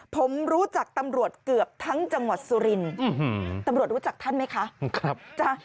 ผมรู้จักตำรวจเกือบทั้งจังหวัดสุรินทร์ตำรวจรู้จักท่านไหมคะ